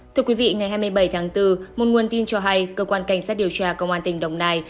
thưa quý vị ngày hai mươi bảy tháng bốn một nguồn tin cho hay cơ quan cảnh sát điều tra công an tỉnh đồng nai